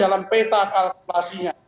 dalam peta kalkulasinya